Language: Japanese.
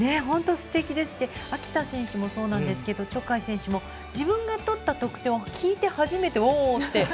すてきですし秋田選手もそうなんですけど鳥海選手も自分が取った得点を聞いて初めて、おーって。